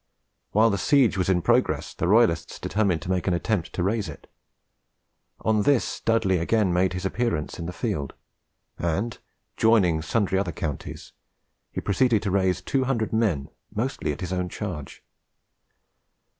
While the siege was in progress, the royalists determined to make an attempt to raise it. On this Dud Dudley again made his appearance in the field, and, joining sundry other counties, he proceeded to raise 200 men, mostly at his own charge.